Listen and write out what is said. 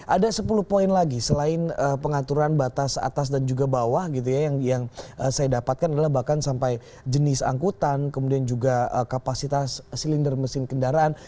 ada sepuluh poin lagi selain pengaturan batas atas dan juga bawah gitu ya yang saya dapatkan adalah bahkan sampai jenis angkutan kemudian juga kapasitas silinder mesin kendaraan